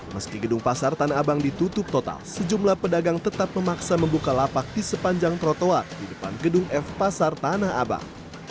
meski gedung pasar tanah abang ditutup total sejumlah pedagang tetap memaksa membuka lapak di sepanjang trotoar di depan gedung f pasar tanah abang